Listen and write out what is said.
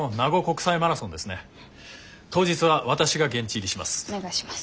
当日は私が現地入りします。